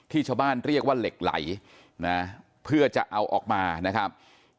ชาวบ้านเรียกว่าเหล็กไหลนะเพื่อจะเอาออกมานะครับ